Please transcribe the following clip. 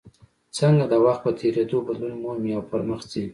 څنګه د وخت په تېرېدو بدلون مومي او پرمخ ځي.